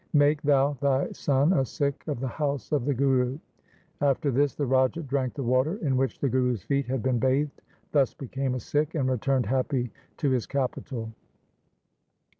Make thou thy son a Sikh of the house of the Guru.' After this the Raja drank the water in which the Guru's feet had been bathed, thus became a Sikh, and returned happy to his capital.